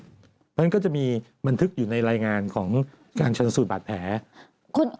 เพราะฉะนั้นก็จะมีบันทึกอยู่ในรายงานของการชนสูตรบาดแผล